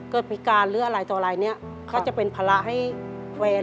พิการหรืออะไรต่ออะไรเนี่ยก็จะเป็นภาระให้แฟน